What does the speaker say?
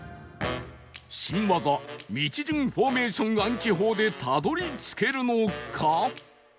新技道順フォーメーション暗記法でたどり着けるのか？